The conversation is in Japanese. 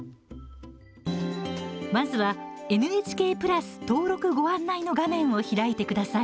まずは「ＮＨＫプラス登録ご案内」の画面を開いてください。